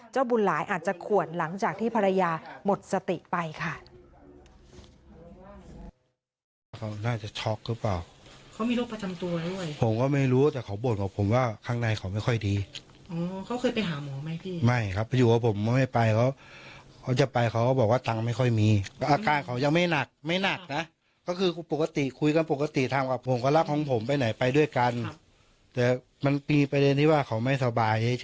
บุญหลายอาจจะขวนหลังจากที่ภรรยาหมดสติไปค่ะ